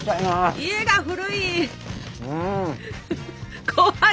家が古い！